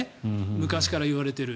昔から言われている。